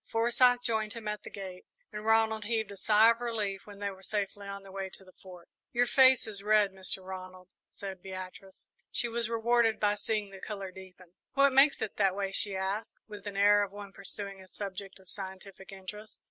Forsyth joined him at the gate, and Ronald heaved a sigh of relief when they were safely on their way to the Fort. "Your face is red, Mr. Ronald," said Beatrice. She was rewarded by seeing the colour deepen. "What makes it that way?" she asked, with the air of one pursuing a subject of scientific interest.